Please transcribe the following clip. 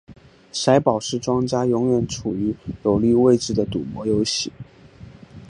骰宝是庄家永远处于有利位置的赌博游戏。